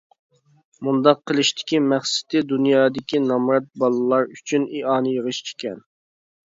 مۇنداق قىلىشىدىكى مەقسىتى دۇنيادىكى نامرات بالىلار ئۈچۈن ئىئانە يىغىش ئىكەن.